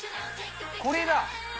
これだ。